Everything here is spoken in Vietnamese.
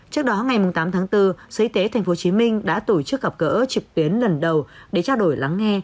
trước đó ngày tám tháng bốn sở y tế tp hcm đã tổ chức gặp gỡ trực tuyến lần đầu để trao đổi lắng nghe